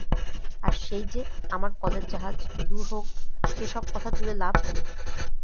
আর সেই-যে আমার কলের জাহাজ– দূর হোক সে-সব কথা তুলে লাভ কী?